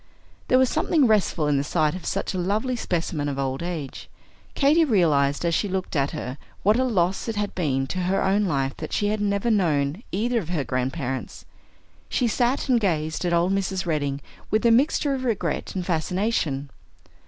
There was something restful in the sight of such a lovely specimen of old age. Katy realized, as she looked at her, what a loss it had been to her own life that she had never known either of her grandparents. She sat and gazed at old Mrs. Redding with a mixture of regret and fascination.